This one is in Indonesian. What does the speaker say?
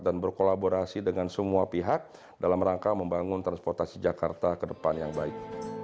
dan berkolaborasi dengan semua pihak dalam rangka membangun transportasi jakarta ke depan yang baik